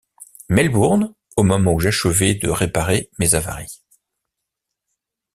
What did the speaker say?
Melbourne, au moment où j’achevais de réparer mes avaries.